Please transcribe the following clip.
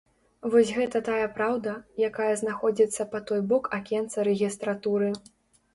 Вось гэта тая праўда, якая знаходзіцца па той бок акенца рэгістратуры.